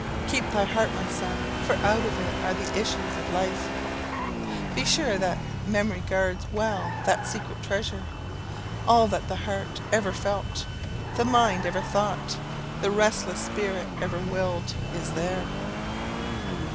"Keep thy heart, my son, for out of it are the issues of life." Be sure that memory guards well that secret treasure. All that the heart ever felt, the mind ever thought, the restless spirit ever willed, is there.